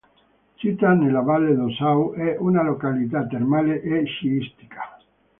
Sita nella valle d'Ossau, è una località termale e sciistica.